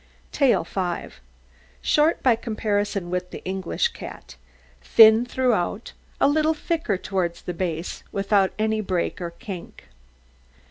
TAIL 5 Short by comparison with the English cat, thin throughout, a little thicker towards the base, without any break or kink.